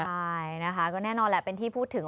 ใช่นะคะก็แน่นอนแหละเป็นที่พูดถึง